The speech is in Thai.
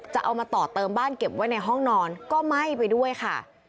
จะเอามาต่อเติมบ้านเก็บไว้ในห้องนอนก็ไหม้ไปด้วยค่ะ